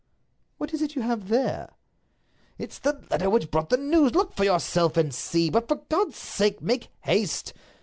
"What is it you have there?" "It's the letter which brought the news—look for yourself and see; but, for God's sake, make haste!"